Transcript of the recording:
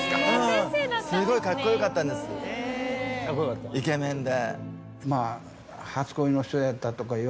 すごいカッコよかったんですイケメンで。